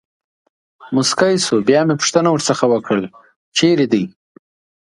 مسکی شو، بیا مې پوښتنه ورڅخه وکړل: چېرې دی.